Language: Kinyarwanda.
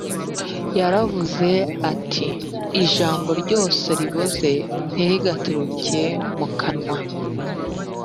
yaravuze ati ijambo ryose riboze ntirigaturuke mu kanwa